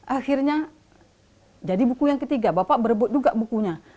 akhirnya jadi buku yang ketiga bapak berebut juga bukunya